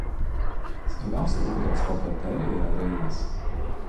Svarbiausia upių transporto arterija yra Reinas.